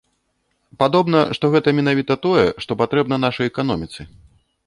Падобна, што гэта менавіта тое, што патрэбна нашай эканоміцы.